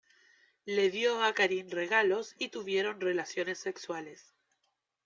Le dio a Karin regalos y tuvieron relaciones sexuales.